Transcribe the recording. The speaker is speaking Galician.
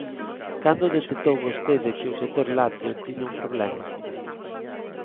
¿Cando detectou vostede que o sector lácteo tiña un problema?